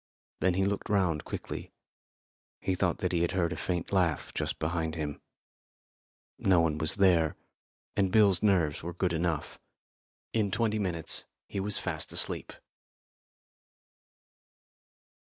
Then he looked round quickly. He thought that he had heard a faint laugh just behind him. No one was there, and Bill's nerves were good enough. In twenty minutes he was fast asleep.